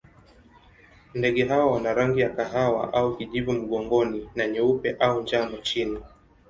Ndege hawa wana rangi ya kahawa au kijivu mgongoni na nyeupe au njano chini.